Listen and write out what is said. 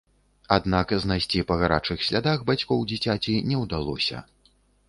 Аднак знайсці па гарачых слядах бацькоў дзіцяці не ўдалося.